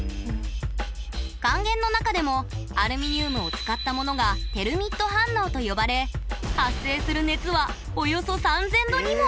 還元の中でもアルミニウムを使ったものが「テルミット反応」と呼ばれ発生する熱はおよそ３０００℃にも！